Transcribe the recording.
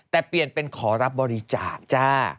แต่เปลี่ยนเป็นขอรับบริจาคจ้า